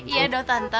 iya dong tante